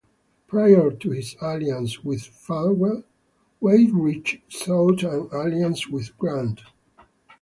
Prior to his alliance with Falwell, Weyrich sought an alliance with Grant.